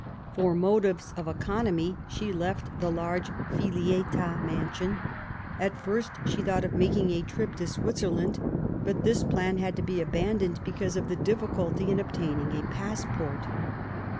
For motives of economy she left the large Filiettaz mansion. At first she thought of making a trip to Switzerland^ l)ut this plan had to be abandoned because of the difficulty in procuring a passport.